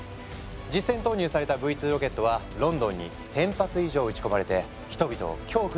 実戦投入された「Ｖ２ロケット」はロンドンに１，０００発以上撃ち込まれて人々を恐怖に陥れたんだ。